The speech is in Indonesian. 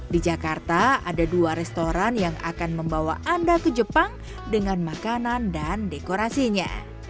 di jakarta ada dua restoran yang akan membawa anda ke jepang dengan makanan dan dekorasinya